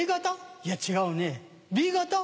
いや違うねＢ型？